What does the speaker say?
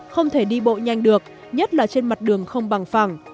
không thể đi bộ nhanh được nhất là trên mặt đường không bằng phẳng